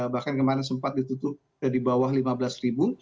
bahkan kemarin sempat ditutup di bawah rp lima belas